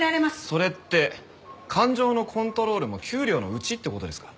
それって感情のコントロールも給料のうちって事ですか？